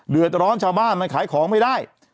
เดือดร้อนชาวบ้านมันขายของไม่ได้